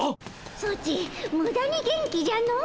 ソチムダに元気じゃの。